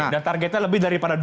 dan targetnya lebih daripada dua